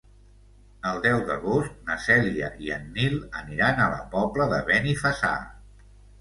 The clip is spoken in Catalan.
El deu d'agost na Cèlia i en Nil aniran a la Pobla de Benifassà.